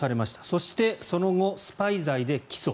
そしてその後、スパイ罪で起訴。